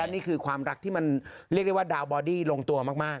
นี่คือความรักที่มันเรียกได้ว่าดาวบอดี้ลงตัวมาก